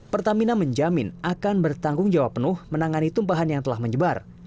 pertamina menjamin akan bertanggung jawab penuh menangani tumpahan yang telah menyebar